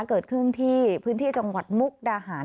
เกิดขึ้นที่พื้นที่จังหวัดมุกดาหาร